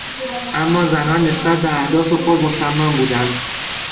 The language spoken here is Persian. اما زنان نسبت به اهداف خود مصمم بودند.